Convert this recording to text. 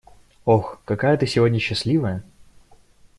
Ох, какая ты сегодня счастливая!